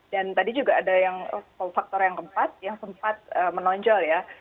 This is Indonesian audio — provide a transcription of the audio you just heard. dan tadi juga ada yang soal faktor yang keempat yang keempat menonjol ya